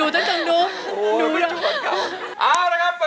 เดี๋ยววันเถอะโดฯ